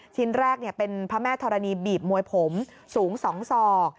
ชิ้นแรกเป็นพระแม่ธรณีบีบมวยผมสูง๒ศอก